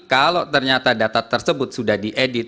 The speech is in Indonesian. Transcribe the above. kalau ternyata data tersebut sudah diedit